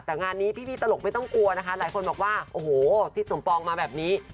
แต่งานนี้พี่ตลกไม่ต้องกลัวนะคะหลายคนบอกว่าโอ้โหทิศสมปองมาแบบนี้